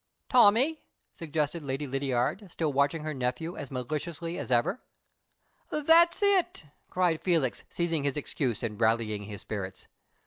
"Tommie?" suggested Lady Lydiard, still watching her nephew as maliciously as ever. "That's it!" cried Felix, seizing his excuse, and rallying his spirits.